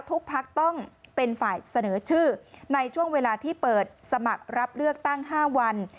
ภักดิ์ต้องเป็นฝ่ายเสนอชื่อในช่วงเวลาที่เปิดสมัครรับเลือกตั้ง๕วัน